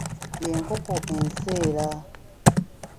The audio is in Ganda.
Ye nkoko enseera.